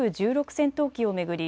戦闘機を巡り